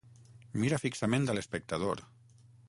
Mira fixament a l'espectador.